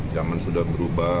zaman sudah berubah